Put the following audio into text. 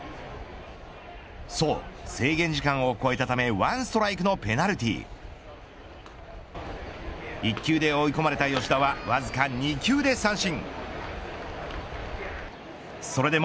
そう、制限時間を超えたためワンストライクのペナルティー１球で追い込まれた吉田はわずか２球で三振。